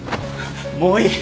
もういい。